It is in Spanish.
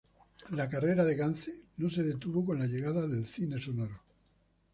La carrera de Gance no se detuvo con la llegada del cine sonoro.